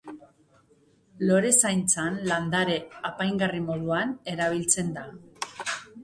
Lorezaintzan landare apaingarri moduan erabiltzen da.